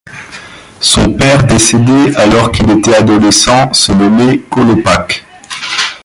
Son père, décédé alors qu'il était adolescent, se nommait Kolopak.